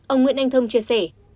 ông nguyễn anh thương chia sẻ